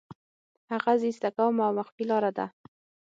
هغه زه ایسته کوم او مخفي لاره ده